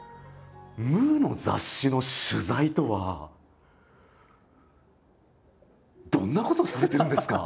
「ムー」の雑誌の取材とはどんなことをされてるんですか？